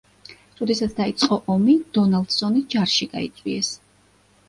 როდესაც დაიწყო ომი, დონალდსონი ჯარში გაიწვიეს.